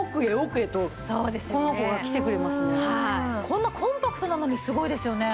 こんなコンパクトなのにすごいですよね。